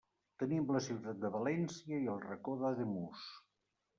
Tenim la ciutat de València i el Racó d'Ademús.